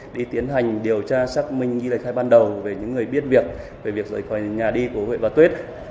để tiến hành điều tra xác minh ghi lời khai ban đầu về những người biết việc về việc rời khỏi nhà đi của huyện và tuyết